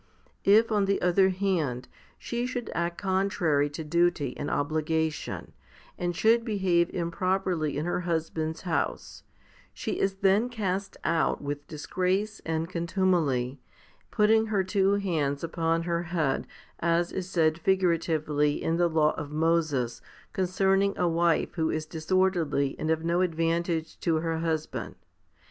If, on the other hand, she should act contrary to duty and obligation, and should behave improperly in her husband's house, she is then cast out with disgrace and contumely, putting her two hands upon her head, as is said figura tively in the law of Moses * concerning a wife who is disorderly and of no advantage to her husband.